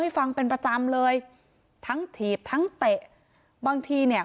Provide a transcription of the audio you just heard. ฟังเป็นประจำเลยทั้งถีบทั้งเตะบางทีเนี่ย